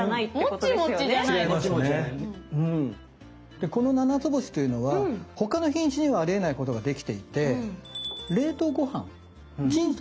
でこのななつぼしというのは他の品種にはありえないことができていて冷凍ご飯チンとした時においしい。